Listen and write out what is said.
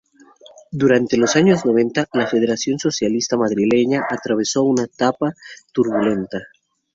Durante los años noventa, la Federación Socialista Madrileña atravesó una etapa turbulenta.